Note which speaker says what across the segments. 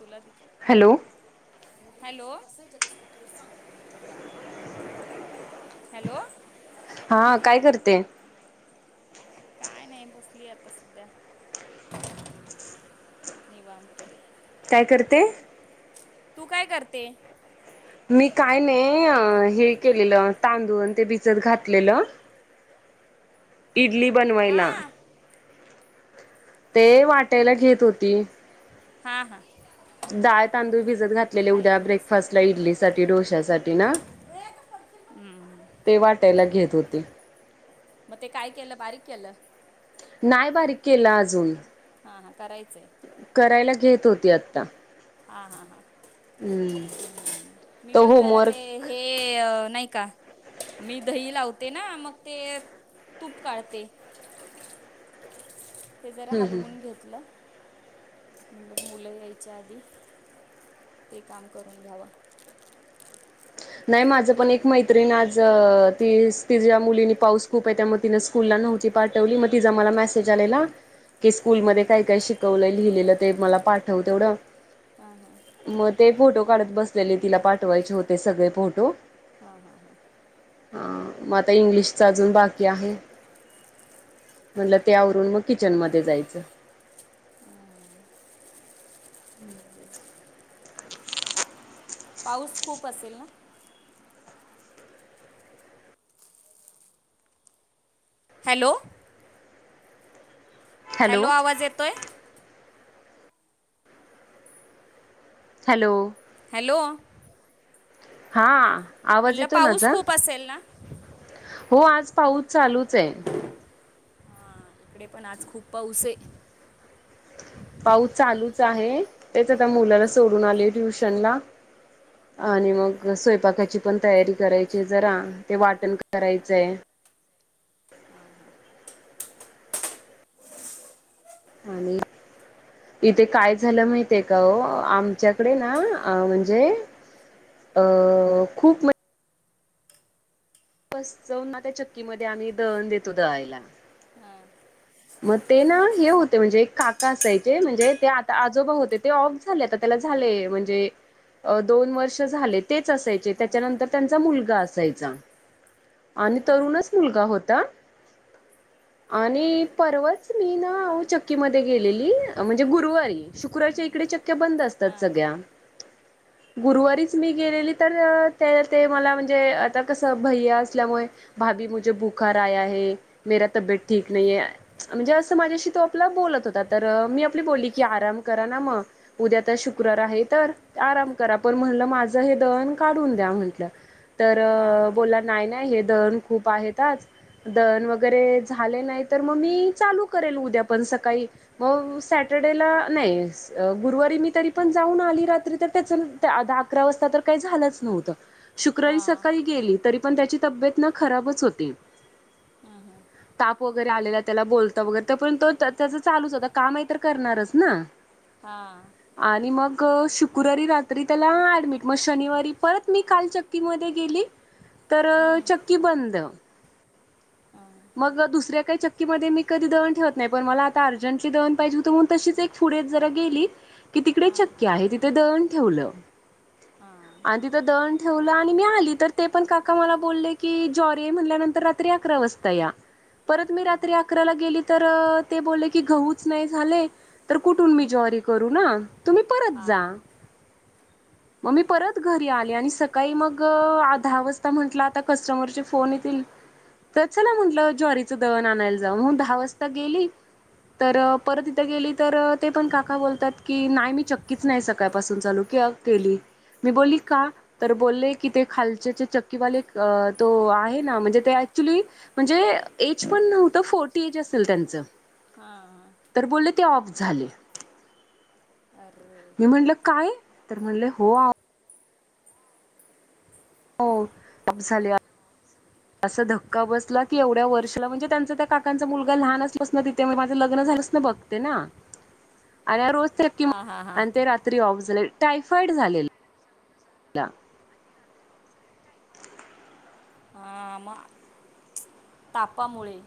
Speaker 1: Hello!
Speaker 2: Hello.
Speaker 1: Hello!
Speaker 2: हा काय करतेय.
Speaker 1: काय नाही बसली आता सध्या. निवांत.
Speaker 2: कायं करते
Speaker 1: तूं कायं करते
Speaker 2: मी कायं नाहीं हे केलेलं तांदूळ ते भिजतं घातलेलं इडली
Speaker 1: हा
Speaker 2: बनवांयला ते वाटांयला घेतं होती
Speaker 1: हां हां
Speaker 2: डाळं तांदूळ भिजतं घातलेले उद्यां
Speaker 1: थोडंस
Speaker 2: ब्रेकफास्टला इडली सांठी डोश्यांसाठी नां ते वाटांयला घेतं होते
Speaker 1: मगं ते कायं केलं बारीक केलं
Speaker 2: नाहीं बारीक केलां अजूंन
Speaker 1: हां हां करायचंय
Speaker 2: करांयला घेतं होती आंता
Speaker 1: हां हां हां मी
Speaker 2: तो
Speaker 1: पणं जरां ते
Speaker 2: होमवर्क
Speaker 1: हे नाहीं कां मी दही लावते नां मगं ते तूंप काढते ते जरां
Speaker 2: हम्म हम्म.
Speaker 1: हलवूंन घेतलं म्हणजे मुलं यांयच्या आंधी ते कायं करूंन घ्यावं
Speaker 2: नाहीं माझं पणं एक मैत्रीण आंज ती ति मुलीनी पाऊस खूंप आहे त्यां मगं तिनं स्कूंलला मूलं नव्हती पाठवली मगं तिचां मलां मेसेज स्कूंल मध्ये कायं कायं शिकवलं लिहिलेलं ते मलां पाठवं तेवढं
Speaker 1: हां हां
Speaker 2: मगं ते फोटो काढतं बसलेले तिलां पाठवांयचे होते सगळें फोटो
Speaker 1: हां हां हां
Speaker 2: हां मगं आंता इंग्लिशचां अजूंनही बाकी आहे. म्हणलं त्यांवरूंन मगं किचनमध्यें जायचं
Speaker 1: हम्मं ते पाऊस खूंप असेल नां हॅलो हॅलो आवांज येतोय
Speaker 2: हॅलो
Speaker 1: हॅलो
Speaker 2: हां आवांज
Speaker 1: म्हणलं
Speaker 2: येतोय
Speaker 1: पाऊस
Speaker 2: माझां
Speaker 1: खूप असेल ना
Speaker 2: हो आंज पाऊस चालूंच आहे.
Speaker 1: हां इकडे पणं आंज खूंप पाऊस आहे.
Speaker 2: पाऊस चालूं चं आहे. तेचं आंता मुलांला सोडूंन आलें ट्युंशन लां आणि मगं स्वयंपाकांची पणं तयारी करांयची जरां ते वाटणं करायचंय
Speaker 1: हां हां
Speaker 2: हम्मं इथे कायं झालं माहितयं कां आमच्यांकडे नां म्हणजे अं खूंप बसं जाऊंन आंता त्या चक्कीमध्यें आम्हीं दळंण देतो दळांयला
Speaker 1: हां
Speaker 2: मगं ते नां हे होते म्हणजे एक काका असायचे म्हणजे ते आंता आजोबा होते ते ऑफ झाले आंता त्यांला झाले म्हणजे अं दोन वर्ष झाले तेचं असांयचे
Speaker 1: हां
Speaker 2: त्याच्यानंतर त्यांचा मुलंगा असांयचा आणि
Speaker 1: हां हां
Speaker 2: तरुंणचं मुलंगा होतां आणि परवाच मी ना.. चक्कीमध्ये गेलेली म्हणजे गुरुवारी, शुक्रवारच्या इकडे चक्की बंद असतात
Speaker 1: हां
Speaker 2: सगळ्या
Speaker 1: हां
Speaker 2: गुरुवारीच मी गेलेली तर ते, ते मला म्हणजे आता कसं भै्या असल्यामुळे भाभी मुझे बुखार आया है! मेरा तबीयेत ठीक नाही आहे. म्हणजे असं माझ्याशी तो आपला बोलत होता., तर मी आपली बोली की आराम करा ना मग. उद्या तर शुक्रार आहे तर आराम करा., पण म्हणलं माझं हे दळण काढून द्या म्हंटलं तर
Speaker 1: हां हां
Speaker 2: बोला नाही -नाही, हे दळण खूप आहेतच आज दळण वगैरे झाले नाही.. तर मग मी चालू करेल उद्या पण सकाळी मग सटर्डेला नाही. अ गुरुवारी मी तरी पण जाऊन आली रात्री तर त्याच आधा अकरा वाजता तर काही झालंच नव्हतं.
Speaker 1: हां
Speaker 2: शुक्रवारी
Speaker 1: हां
Speaker 2: सकाळी गेली तरी पण त्याची तब्येत न खराबच होती.
Speaker 1: हा -हा
Speaker 2: ताप वगैरे आलेला. त्याला बोलत वगैरे तर पण तो त्याच चालूच होता कामही तर करणारच ना
Speaker 1: हां
Speaker 2: आणि मग शुक्रवारी रात्री त्याला ऍडमिट मग शनिवारी परत मी कालचक्कीमध्ये गेली तर चक्की बंद.. मग दुसऱ्या काही चक्की की मध्ये मी कधी दळण ठेवत नाही पण मला आता अर्जंटली दळण पाहिजे होत., म्हणून तशीच एक पुढे जरा गेली कि तिकडे चक्की आहे तिथे दळण ठेवलं.
Speaker 1: हा
Speaker 2: आणि तिथं दळण ठेवलं आणि मी आली तर ते पण काका मला बोलले की, ज्वारी आहे म्हणल्यानंतर रात्री अकरा वाजता या परत मी रात्री अकराला गेली तर ते बोलले की गऊच नाही झाले. तर कुठून मी ज्वारी करू ना, तुम्ही परत
Speaker 1: हां हां
Speaker 2: जा. मग मी परत घरी आले, आणि सकाळी मग दहा वाजता म्हंटलं आता कस्टमरचे फोन येतील. तर चला म्हंटलं ज्वारीचं दळण आणायला जाव मग दहा वाजता गेली. तर परत इथं गेली तर ते पण काका बोलतात की, नाही मी चक्कीच नाही सकाळपासून चालू कि केली, मी बोलली का? तर बोलले की ते खालच्याचे चक्कीवाले तो आहे ना, म्हणजे ते ऍक्च्युली म्हणजे एज पण नव्हतं फोर्टी एज असेल त्यांचं
Speaker 1: हा- हा
Speaker 2: तर बोलले ते ऑफ झाले.
Speaker 1: अरे
Speaker 2: म्हल काय? तर म्हणले होअहो. हो ऑफ झाले, ऑफ असा धक्का बसला की एवढ्या वर्षाला म्हणजे त्यांच त्या काकांचा मुलगा लहान असल्या पासन, ना मी तिथे माझं लग्न झाल्या झालंच न बघते रोज
Speaker 1: हां हां हां
Speaker 2: आणि ते रात्री ऑफ झाले टायफॉड झालेला. ला
Speaker 1: हा.... मग तापामुळे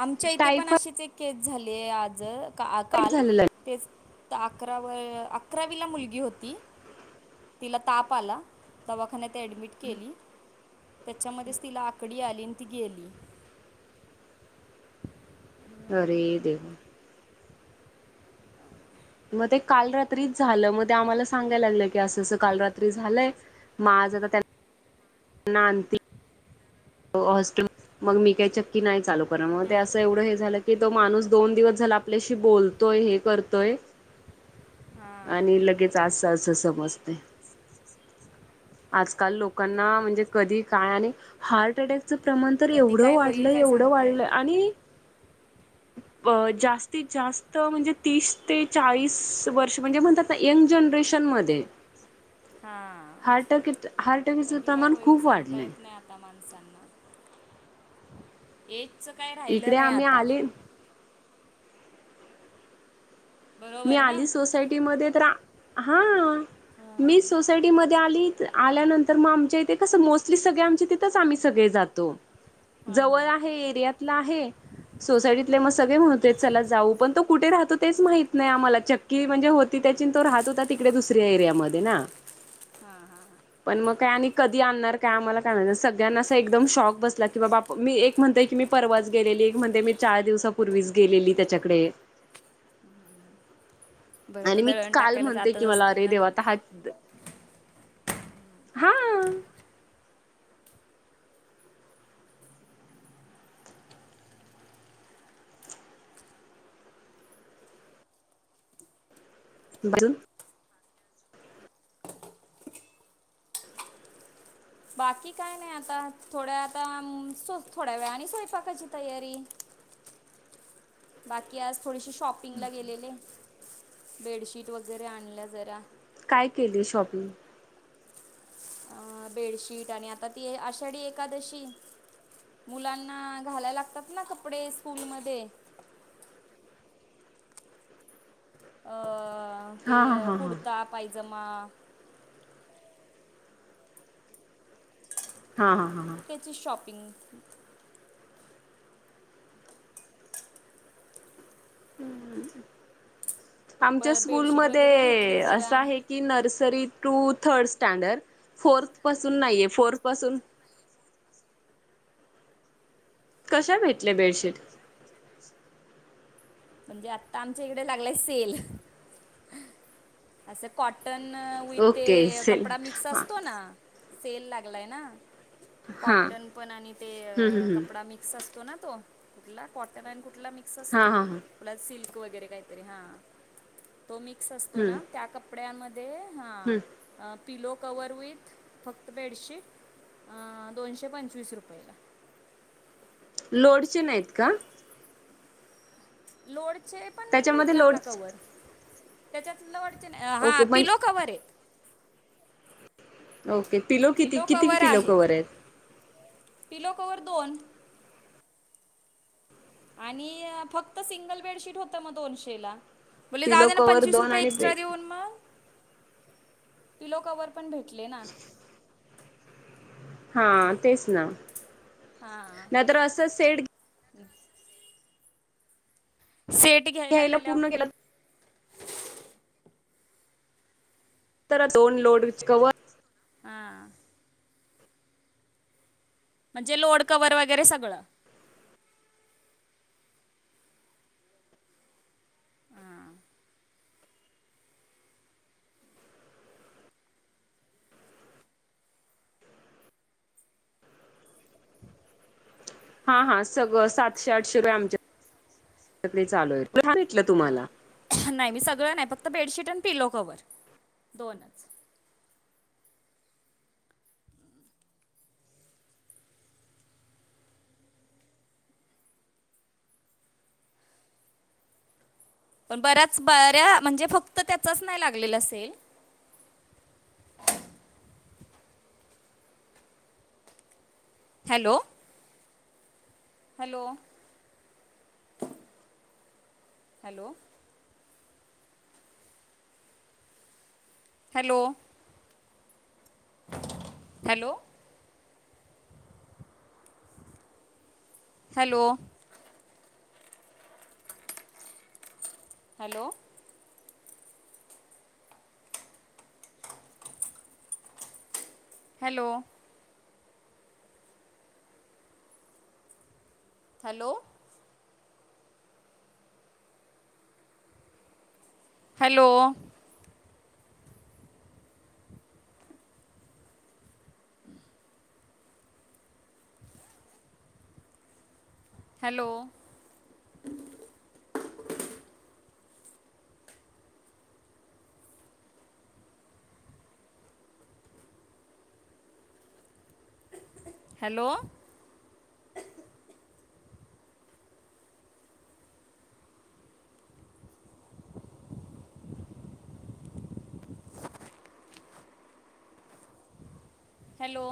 Speaker 1: आमच्या इथे पण
Speaker 2: टायफॉइड
Speaker 1: अशीच एक केस झालीये, आज, काल
Speaker 2: झालेला
Speaker 1: तेच तर अकरावी ला, अकरावीला मुलगी होती. तिला ताप आला दवाखान्यात ऍडमिट केली त्याच्यामध्येच तिला आकडी आली, आणि ती गेली
Speaker 2: अरे.... देवा मग ते काल रात्रीच झालं, मग ते आम्हाला सांगायला लागलं, की असं- असं काल रात्री झालंय माझ नाती होस्ट मग मी काही चक्की नाही चालू कर मग ते असं एवढं हे झालं की तो माणूस दोन दिवस झाला आपल्याशी बोलतो. तो हे करतोय.
Speaker 1: हां
Speaker 2: आणि लगेच असं असं समजते. आजकाल लोकांना म्हणजे कधी काय आणि हार्ट अटॅकचं प्रमाण तर
Speaker 1: कधी
Speaker 2: एवढं
Speaker 1: काय
Speaker 2: वाढलं
Speaker 1: होईल काय
Speaker 2: एवढं
Speaker 1: सांगता
Speaker 2: वाढलं
Speaker 1: येत
Speaker 2: आणि अ जास्तीत जास्त म्हणजे तीस ते चाळीस वर्ष म्हणजे म्हणतात. आता यंग जनरेशनमध्ये
Speaker 1: हा
Speaker 2: हर ट
Speaker 1: कधी काय होईल सांगता येत नाही आता माणसांना हेच काय राहिलं
Speaker 2: इकडे
Speaker 1: नाही
Speaker 2: आम्ही
Speaker 1: आता
Speaker 2: आले मी
Speaker 1: बरोबर ना
Speaker 2: आली सोसायटीमध्ये तर हा मी
Speaker 1: हां
Speaker 2: सोसायटी मध्ये आली, आल्यानंतर मग आमच्या इथे कसं मोस्टली सगळे आमच्या तिथेच आम्ही सगळे जातो.
Speaker 1: हां
Speaker 2: जवळ
Speaker 1: हां
Speaker 2: आहे एरियात आहे सोसायटीतले म सगळे म्हणत चला जाऊ पण तो कुठे राहतो? तेच माहित नाही आम्हाला चक्की म्हणजे होती. त्याची तो राहत होता, तिकडे दुसऱ्या एरियामध्ये ना.
Speaker 1: हां हां हां
Speaker 2: पण मग काय आणि कधी आणणार काय आम्हाला काय म्हणार सगळ्यांना अस एकदम शॉक बसला. की बाबा मी एक म्हणतेय की मी परवाच गेलेली एक म्हणतेय मी चार दिवसापूर्वीच गेलेली त्याच्याकडे
Speaker 1: बरं तर
Speaker 2: आणि मी
Speaker 1: दळण
Speaker 2: काल
Speaker 1: टाकायला
Speaker 2: म्हणते
Speaker 1: जातच
Speaker 2: की मला
Speaker 1: असतील
Speaker 2: अरे
Speaker 1: ना
Speaker 2: देवा
Speaker 1: लोक
Speaker 2: हा हा बोल
Speaker 1: बाकी काय नाही आता थोड्या आता थोड्या वेळाने स्वयंपाकाची तयारी बाकी आज थोडीशी शॉपिंगला गेलेले. बेडशीट वगैरे आणल्या जरा
Speaker 2: काय केली शॉपिंग?
Speaker 1: अ बेडशीट आणि आता ती आषाढी एकादशी मुलांना घालाय लागतात ना कपडे स्कूलमध्ये अ ते
Speaker 2: हा हा हा हा
Speaker 1: कुर्ता पायजमा
Speaker 2: हा हा हा ह
Speaker 1: त्याची शॉपिंग प
Speaker 2: आमच्या
Speaker 1: बेडशीट वगैरे घेतले
Speaker 2: स्कूलमध्ये असं
Speaker 1: जरा
Speaker 2: आहे. की nursery to third standard fourth पासून नाहीये. फोर्थ पासून कशा भेटले बेडशीट?
Speaker 1: म्हणजे आता आमच्या इकडे लागलाय सेल असं कॉटन विथ
Speaker 2: ओके सेल
Speaker 1: कपडा मिक्स
Speaker 2: हा
Speaker 1: असतो ना सेल लागलाय ना.
Speaker 2: हा
Speaker 1: कॉटन पण आणि ते
Speaker 2: हम्म हम्म हम्म
Speaker 1: कपडा मिक्स असतो, ना तो कुठला कॉटन आणि कुठला मिक्स
Speaker 2: हा
Speaker 1: असतो.
Speaker 2: हा हा
Speaker 1: सिल्क वगैरे काहीतरी हा तो मिक्स असतो
Speaker 2: हम्म
Speaker 1: ना त्या कपड्यामध्ये
Speaker 2: हम्म
Speaker 1: हा पिलो कवर विथ फक्त बेडशीट अ दोनशे पंचवीस रुपयेला
Speaker 2: लोडचे नाही आहेत का?
Speaker 1: लोडचे पण
Speaker 2: त्याच्यामध्ये
Speaker 1: भेटतात
Speaker 2: लोड
Speaker 1: ना, कव्हर त्याच्यात लवटच नाही, हा
Speaker 2: ओके पण
Speaker 1: पिलो कवर आहे.
Speaker 2: ओके पिलो किती किती पिलो कवर आहेत.
Speaker 1: पिलो कवर दोन आणि फक्त सिंगल बेडशीट होतं मग दोनशेला. बले जाऊ
Speaker 2: पिलो
Speaker 1: दे ना
Speaker 2: कवर
Speaker 1: पंचवीस
Speaker 2: दोन
Speaker 1: रुपये
Speaker 2: आणि
Speaker 1: एक्स्ट्रा
Speaker 2: बेड
Speaker 1: देऊन मग. पिलो कवर पण भेटले ना
Speaker 2: हा तेच ना
Speaker 1: हा
Speaker 2: नाहीतर असं सेट
Speaker 1: हा शेट
Speaker 2: घ्यायला पूर्ण गेलात तर दोन लोडच कवर
Speaker 1: हा हा म्हणजे लोड कवर्हवर वगैरे सगळं हां
Speaker 2: हा हा सगळं सातशे आठशे रुपये आमच्या चालू आहे भेटलं तुम्हाला
Speaker 1: नाही मी सगळं नाही फक्त बेडशीट आणि पिलो कवर दोनच. पण बऱ्याच बऱ्या म्हणजे फक्त त्याचाच नाही लागलेलं sale. Hello hello hello hello hello hello hello hello hello hello hello hello hello